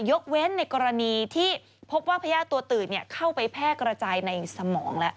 ยกเว้นในกรณีที่พบว่าพญาติตัวตื่นเข้าไปแพร่กระจายในสมองแล้ว